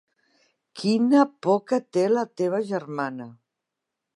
Quina por que té la teva germana.